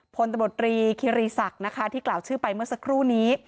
พลตำรวจรีคิรีศักดิ์นะคะที่กล่าวชื่อไปเมื่อสักครู่นี้